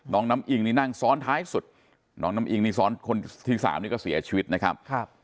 น้องน้ำอิงนี่นั่งซ้อนท้ายสุดน้องน้ำอิงนี่ซ้อนคนที่๓นี่ก็เสียชีวิตนะครับ